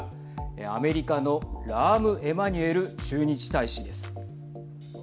アメリカのラーム・エマニュエル駐日大使です。